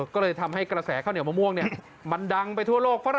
ก็เลยทำให้กระแสข้าวเหนียวมะม่วงมันดังไปทั่วโลก